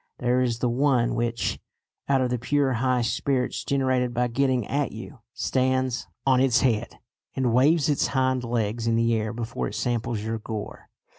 There is the one which, out of the pure high spirits generated by getting at you, stands on its head and waves its hind legs in the air before it samples your gore.